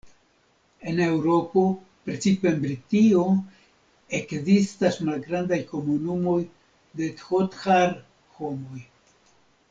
En Eŭropo, precipe en Britio, ekzistas malgrandaj komunumoj de Dhothar-homoj.